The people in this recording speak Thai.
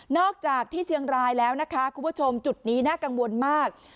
อกจากที่เชียงรายแล้วนะคะคุณผู้ชมจุดนี้น่ากังวลมาก